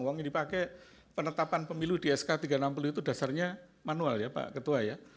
uang yang dipakai penetapan pemilu di sk tiga ratus enam puluh itu dasarnya manual ya pak ketua ya